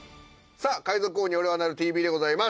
さあ『海賊王におれはなるＴＶ』でございます。